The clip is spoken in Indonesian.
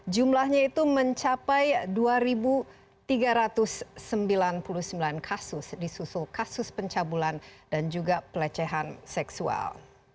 jumlahnya itu mencapai dua tiga ratus sembilan puluh sembilan kasus disusul kasus pencabulan dan juga pelecehan seksual